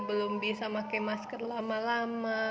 belum bisa pakai masker lama lama